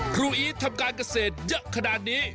ครูอิททำการกระเศษเยอะขนาดนี้